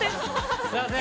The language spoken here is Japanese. すみません。